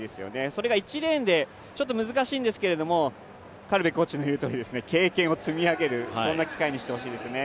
それが１レーンで難しいんですけれども、苅部コーチの言うとおり、経験を積み上げる、そんな機会にしてほしいですね。